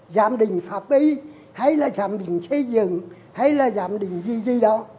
giám định pháp y hay là giám định xây dựng hay là giám định gì gì đó